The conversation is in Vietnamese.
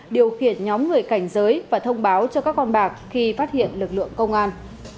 điều khiển nhóm người cảnh giới và thông báo cho các con bạc khi phát hiện lực lượng công an